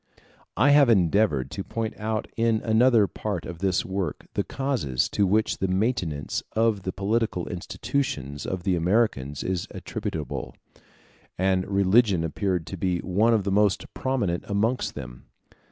I have endeavored to point out in another part of this work the causes to which the maintenance of the political institutions of the Americans is attributable; and religion appeared to be one of the most prominent amongst them.